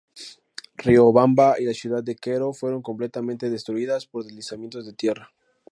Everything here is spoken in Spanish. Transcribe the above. Riobamba y la ciudad de Quero fueron completamente destruidas por deslizamientos de tierra.